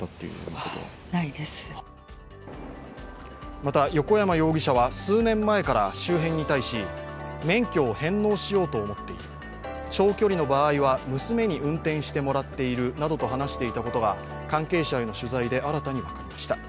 また、横山容疑者は数年前から周辺に対し免許を返納しようと思っている、長距離の場合は娘に運転してもらっているなどと話していたことが関係者への取材で新たに分かりました。